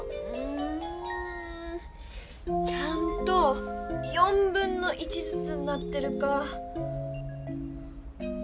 うんちゃんと1/4ずつになってるか。